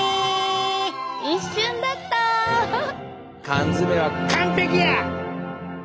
缶詰は完璧や！